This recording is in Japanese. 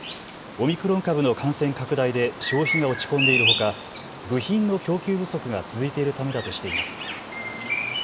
オミクロン株の感染拡大で消費が落ち込んでいるほか部品の供給不足が続いているためだとしています。